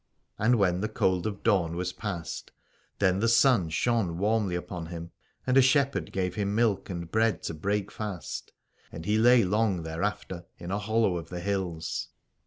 And when the cold of dawn was past then the sun shone warmly upon him : and a shepherd gave him milk and bread to break fast, and he lay long thereafter in a hollow of the hills.